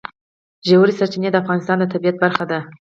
ژورې سرچینې د افغانستان د طبیعت برخه ده.